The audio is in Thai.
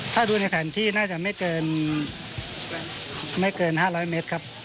ถ้าดูในแผ่นที่น่าจะไม่เกิน๕๐๐เมตรครับ